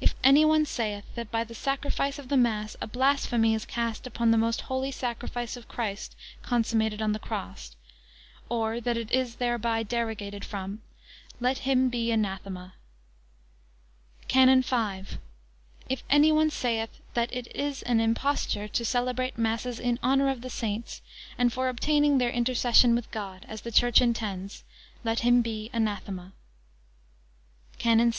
If any one saith, that, by the sacrifice of the mass, a blasphemy is cast upon the most holy sacrifice of Christ consummated on the cross; or, that it is thereby derogated from; let him be anathema. CANON V. If any one saith, that it is an imposture to celebrate masses in honour of the saints, and for obtaining their intercession with God, as the Church intends; let him be anathema. CANON VI.